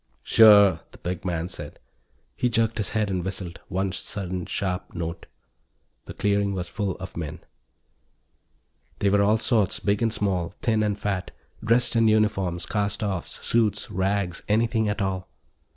"Sure," the big man said. He jerked his head and whistled, one sudden sharp note. The clearing was full of men. They were all sorts, big and small, thin and fat, dressed in uniforms, cast offs, suits, rags, anything at all.